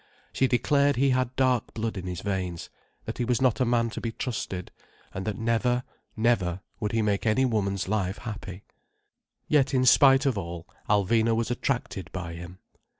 She declared he had dark blood in his veins, that he was not a man to be trusted, and that never, never would he make any woman's life happy. Yet in spite of all, Alvina was attracted by him.